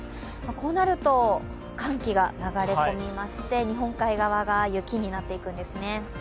こうなると寒気が流れ込みまして日本海側が雪になっていくんですね。